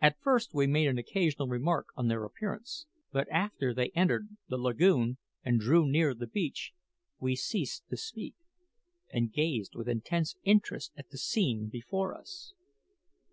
At first we made an occasional remark on their appearance; but after they entered the lagoon and drew near the beach, we ceased to speak, and gazed with intense interest at the scene before us.